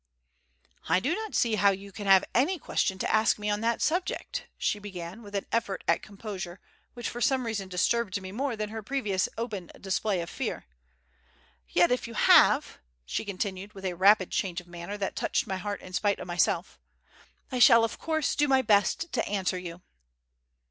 "I do not see how you can have any question to ask me on that subject," she began with an effort at composure which for some reason disturbed me more than her previous open display of fear. "Yet if you have," she continued, with a rapid change of manner that touched my heart in spite of myself, "I shall, of course, do my best to answer you."